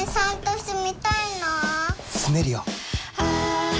住めるよ。